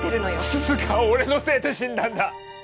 涼香は俺のせいで死んだんだ